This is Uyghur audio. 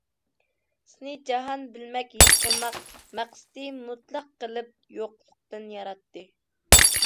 سېنى جاھان بىلمەك، ھېس قىلماق، مەقسىتى مۇتلەق قىلىپ يوقلۇقتىن ياراتتى.